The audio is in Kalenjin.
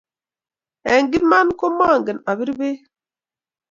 Eng' iman ko mangen apir bek.